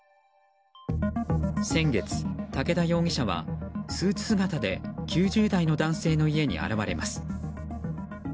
先月、武田容疑者はスーツ姿で９０代の男性の家に現れます。